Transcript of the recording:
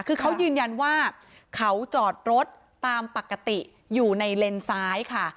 คือเขายืนยันว่าเขาจอดรถตามปกติอยู่ในเลนซ้ายค่ะ